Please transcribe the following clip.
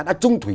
đã trung thủy